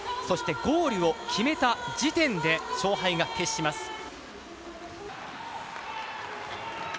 そして、ゴールを決めた時点で勝敗が決します。